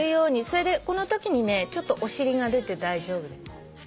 それでこのときにねちょっとお尻が出て大丈夫。